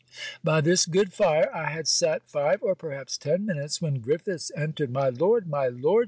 By this good fire I had sat five or perhaps ten minutes, when Griffiths entered. 'My Lord! my Lord!'